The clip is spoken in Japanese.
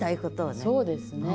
そうですね。